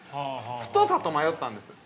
太さと迷ったんです。